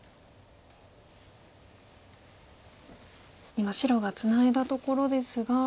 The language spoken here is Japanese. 今白がツナいだところですが。